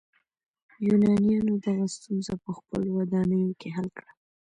یونانیانو دغه ستونزه په خپلو ودانیو کې حل کړه.